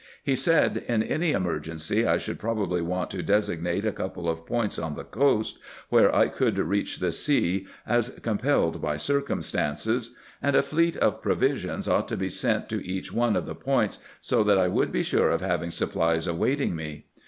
He said :" In any emergency I should probably want to designate a couple of points on the coast where I could reach the sea as compelled by circumstances ; and a fleet of pro visions ought to be sent to each one of the points, so that I would be sure of having supplies awaiting me."